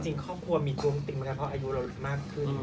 จริงครอบครัวมีท้วงติมนะครับเพราะอายุเรามากขึ้น